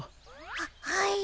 ははい。